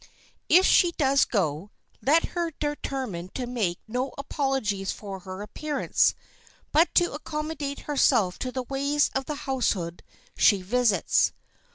If she does go, let her determine to make no apologies for her appearance, but to accommodate herself to the ways of the household she visits.